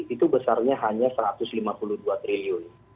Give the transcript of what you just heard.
itu besarnya hanya satu ratus lima puluh dua triliun